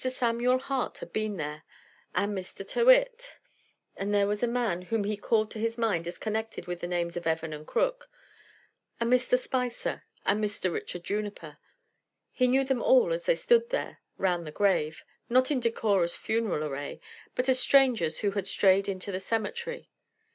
Samuel Hart had been there, and Mr. Tyrrwhit. And there was a man whom he called to his mind as connected with the names of Evans & Crooke, and Mr. Spicer, and Mr. Richard Juniper. He knew them all as they stood there round the grave, not in decorous funeral array, but as strangers who had strayed into the cemetery.